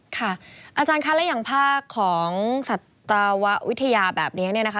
อาจารย์คะและอย่างภาคของสัตววิทยาแบบนี้เนี่ยนะคะ